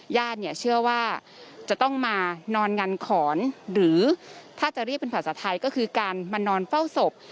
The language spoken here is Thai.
ญาติเนี่ยเชื่อว่าจะต้องมานอนงันขอนหรือถ้าจะเรียกเป็นภาษาไทยก็คือการมานอนเฝ้าศพ